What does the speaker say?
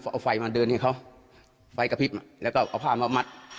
เอาไฟมาเดินให้เขาไฟกระพริบแล้วก็เอาผ้ามามัด